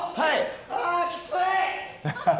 あー、きつい！